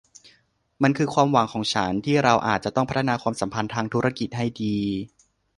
มันคือความหวังของฉันที่เราอาจจะต้องพัฒนาความสัมพันธ์ทางธุรกิจให้ดี